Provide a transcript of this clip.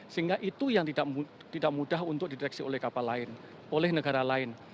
sehingga itu yang tidak mudah untuk dideteksi oleh kapal lain oleh negara lain